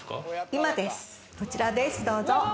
居間ですこちらですどうぞ。